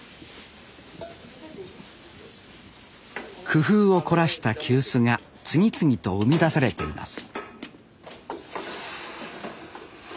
工夫を凝らした急須が次々と生み出されています。